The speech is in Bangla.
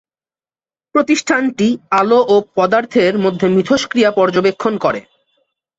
প্রতিষ্ঠানটি আলো ও পদার্থের মধ্যে মিথষ্ক্রিয়া পর্যবেক্ষণ করে।